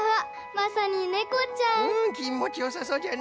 まさにねこちゃん。